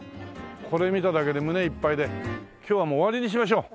これ見ただけで胸いっぱいで今日はもう終わりにしましょう。